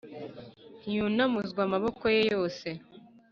ntiyunamuzwa amaboko ye yose